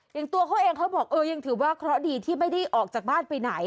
อย่างตัวเขาเองเขาบอกเออยังถือว่าเคราะห์ดีที่ไม่ได้ออกจากบ้านไปไหน